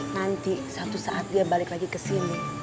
nanti satu saat dia balik lagi kesini